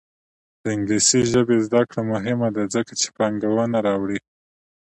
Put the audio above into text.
د انګلیسي ژبې زده کړه مهمه ده ځکه چې پانګونه راوړي.